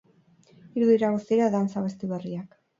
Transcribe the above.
Hiru dira guztira dance abesti berriak.